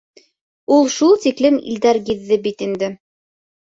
Ул шул тиклем илдәр гиҙҙе бит инде!